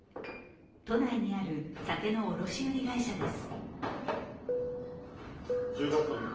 都内にある酒の卸売会社です。